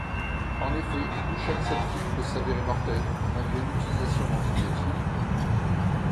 En effet, le choc septique peut s'avérer mortel, malgré l'utilisation d'antibiotiques.